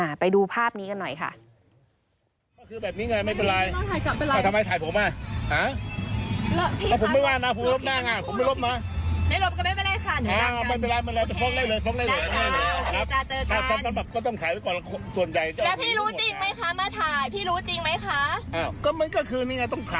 ใช่เขามารับแฟนนะคะ